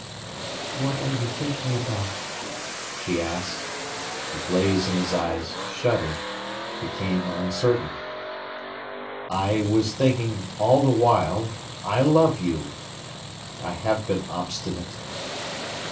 "What are you thinking about?" she asked. The blaze in his eyes shuddered, became uncertain. "I was thinking, all the while, I love you. I have been obstinate."